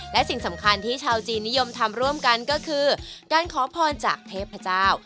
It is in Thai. และสิ่งสำคัญที่ชาวจีนนิยมทำร่วมกันก็คือการขอพรจากเทพเจ้า